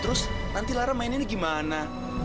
terus nanti lara mainnya ini gimana